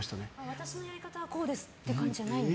私のやり方はこうですって感じじゃないんですか。